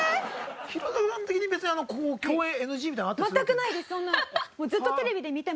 弘中さん的に別にここ共演ＮＧみたいなの。全くないですそんな。